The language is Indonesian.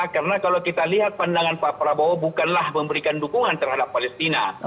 karena kalau kita lihat pandangan pak prabowo bukanlah memberikan dukungan terhadap palestina